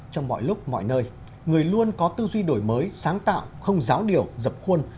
trong mọi lúc mọi nơi người luôn có tư duy đổi mới sáng tạo không giáo điều dập khuôn